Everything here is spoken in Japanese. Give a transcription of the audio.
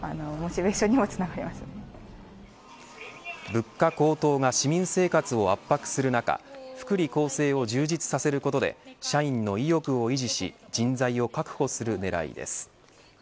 物価高騰が市民生活を圧迫する中福利厚生を充実させることで社員の意欲を維持し人材を確保する狙いです。